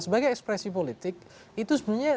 sebagai ekspresi politik itu sebenarnya